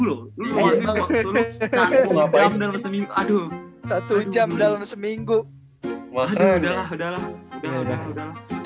satu loh lo lo emang waktu lo satu jam dalam seminggu aduh